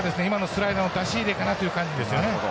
今のスライダーの出し入れかなという感じですよね。